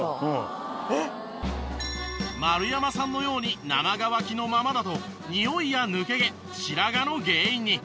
丸山さんのように生乾きのままだとニオイや抜け毛白髪の原因に。